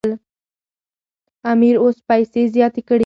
امیر اوس پیسې زیاتې کړي دي.